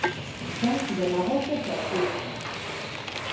Entón, demagoxias as xustas.